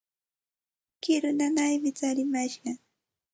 Kiru nanaymi tsarimashqan.